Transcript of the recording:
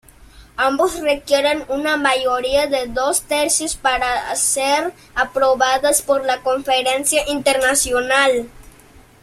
Ambos requieren una mayoría de dos tercios para ser aprobadas por la Conferencia Internacional.